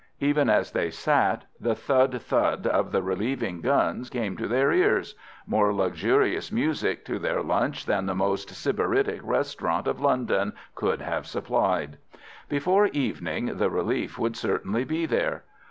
Even as they sat the thud thud of the relieving guns came to their ears—more luxurious music to their lunch than the most sybaritic restaurant of London could have supplied. Before evening the relief would certainly be there.